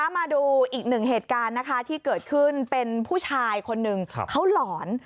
มาดูอีกหนึ่งเหตุการณ์นะคะที่เกิดขึ้นเป็นผู้ชายคนหนึ่งเขาหลอน